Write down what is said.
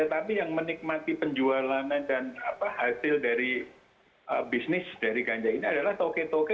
tetapi yang menikmati penjualan dan hasil dari bisnis dari ganja ini adalah toke toke